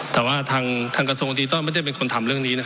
แต่ว่าทางกระทรวงดิจิทัลไม่ได้เป็นคนทำเรื่องนี้